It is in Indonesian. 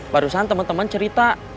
barusan teman teman cerita